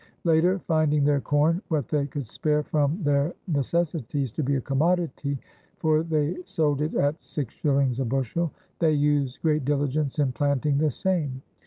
Later, finding "their corne, what they could spare from ther necessities, to be a commoditie, (for they sould it at 6s. a bushell) [they] used great dilligence in planting the same.